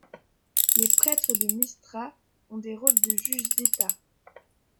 Les prêtres de Mystra ont des rôles de juges d'état.